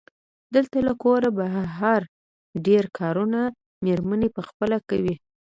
دلته له کوره بهر ډېری کارونه مېرمنې پخپله کوي.